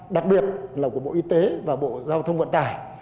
đặc biệt là của bộ y tế và bộ giao thông vận tải